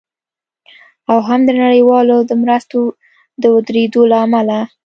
او هم د نړیوالو د مرستو د ودریدو له امله